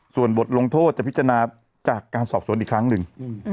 ส่วนบทลงโทษจะพิจารณาจากการสอบสวนอีกครั้งหนึ่ง